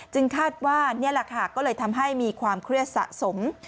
คาดว่านี่แหละค่ะก็เลยทำให้มีความเครียดสะสม